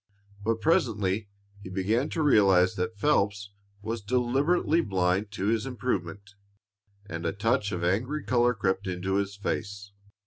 But presently he began to realize that Phelps was deliberately blind to his improvement, and a touch of angry color crept into his face.